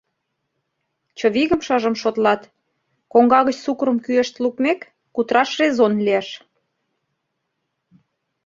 — Чывигым шыжым шотлатКоҥга гыч сукырым кӱэшт лукмек, кутыраш резон лиеш.